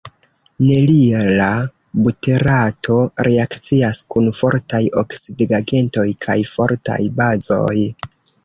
Nerila buterato reakcias kun fortaj oksidigagentoj kaj fortaj bazoj.